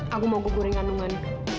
aku mau kegugurin kandungan